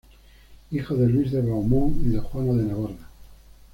Hijo de Luis de Beaumont y de Juana de Navarra.